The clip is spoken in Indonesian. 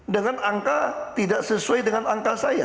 dengan angka tidak sesuai dengan angka saya